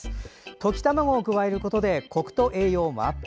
溶き卵を加えることでこくと栄養がアップ。